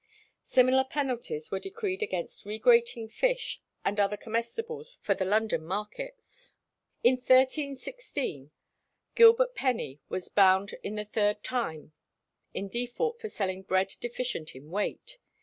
Similar penalties were decreed against "regrating" fish and other comestibles for the London markets. In 1316 Gilbert Peny was bound in the third time in default for selling bread deficient in weight.